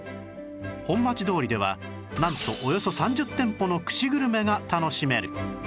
本町通りではなんとおよそ３０店舗の串グルメが楽しめる